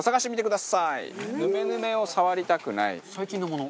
最近のもの？